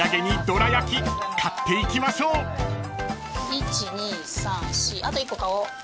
１２３４あと１個買おう。